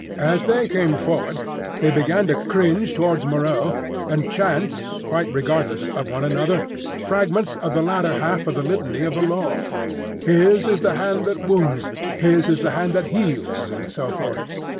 As they came forward they began to cringe towards Moreau and chant, quite regardless of one another, fragments of the latter half of the litany of the Law,—"His is the Hand that wounds; His is the Hand that heals," and so forth.